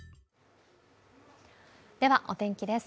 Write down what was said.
ではお天気です。